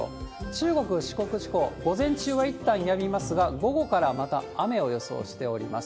中国、四国地方、午前中はいったんやみますが、午後からはまた雨を予想しております。